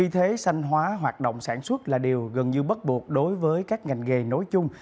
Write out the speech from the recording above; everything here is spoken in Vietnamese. thế sanh hóa hoạt động sản xuất là điều gần như bất buộc đối với các ngành nghề nối chung